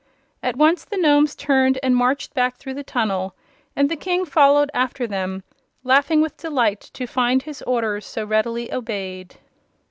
At once the Nomes turned and marched back through the tunnel, and the King followed after them, laughing with delight to find his orders so readily obeyed.